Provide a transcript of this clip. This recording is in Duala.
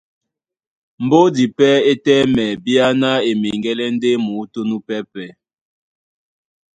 Mbódi pɛ́ é tɛ́mɛ bíáná e meŋgɛ́lɛ́ ndé muútú núpɛ́pɛ̄,